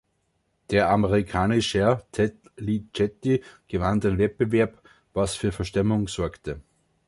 Der amerikanischer Ted Ligety gewann den Wettbewerb, was für Verstimmung sorgte.